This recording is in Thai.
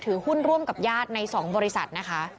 หุ้นร่วมกับญาติใน๒บริษัทนะคะ